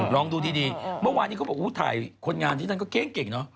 ลองดูดีเมื่อวานนี้เขาบอกอุ้ยถ่ายคนงานที่นั่นก็เก้งเก่งเนอะ